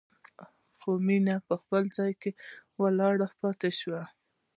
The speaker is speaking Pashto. خو مينه په خپل ځای کې ولاړه پاتې وه.